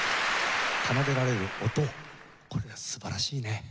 奏でられる音これが素晴らしいね。